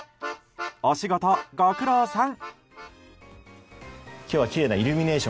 お仕事ご苦労さん。